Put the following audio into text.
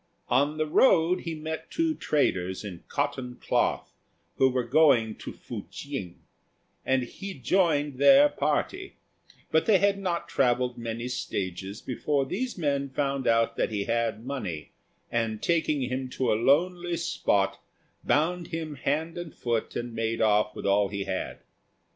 On the road he met two traders in cotton cloth who were going to Fu ch'ing, and he joined their party; but they had not travelled many stages before these men found out that he had money, and taking him to a lonely spot, bound him hand and foot and made off with all he had.